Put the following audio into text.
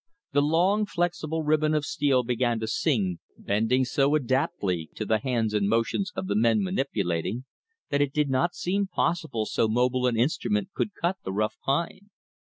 The long, flexible ribbon of steel began to sing, bending so adaptably to the hands and motions of the men manipulating, that it did not seem possible so mobile an instrument could cut the rough pine.